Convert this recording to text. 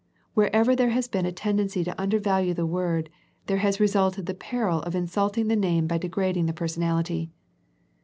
Wherever there has been a tendency to undervalue the word, there has resulted the peril of insulting the name by degrading the personality.